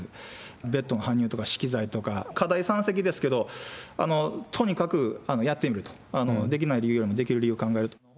ベッドの搬入とか資機材とか、課題山積ですけれども、とにかくやってみると、できない理由よりできる理由を考えると。